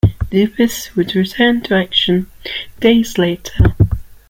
Dupuis would return to action days later.